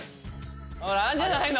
ほらあんじゃないの？